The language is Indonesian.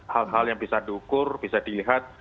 hal hal yang bisa diukur bisa dilihat